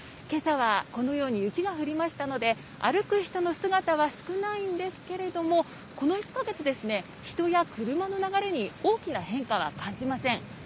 けさは、このように雪が降りましたので、歩く人の姿は少ないんですけれども、この１か月、人や車の流れに大きな変化は感じません。